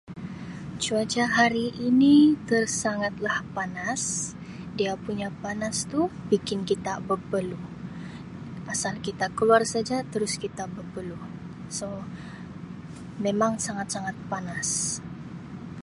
"Cuaca hari ini tersangat lah panas dia punya panas tu bikin kita berpeluh asal kita keluar saja terus kita berpeluh ""so"" memang sangat-sangat panas. "